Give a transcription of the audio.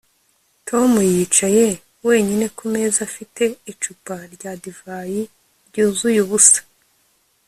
Tom yicaye wenyine ku meza afite icupa rya divayi ryuzuye ubusa